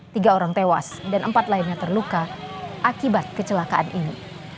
tiga orang tewas dan empat lainnya terluka akibat kecelakaan ini